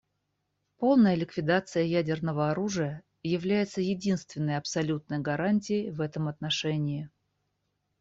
Полная ликвидация ядерного оружия является единственной абсолютной гарантией в этом отношении.